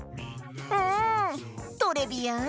うんトレビアン！